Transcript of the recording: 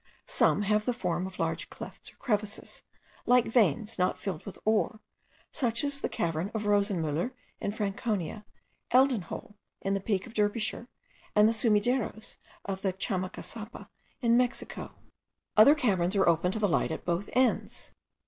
Some have the form of large clefts or crevices, like veins not filled with ore; such as the cavern of Rosenmuller, in Franconia, Elden hole, in the peak of Derbyshire, and the Sumideros of Chamacasapa in Mexico. Other caverns are open to the light at both ends.